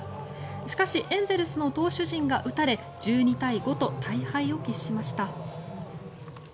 しかしエンゼルスの投手陣が打たれ１２対５と大敗を喫しました。